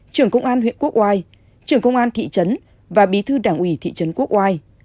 trưởng công an huyện quốc oai trưởng công an thị trấn và bí thư đảng ủy thị trấn quốc oai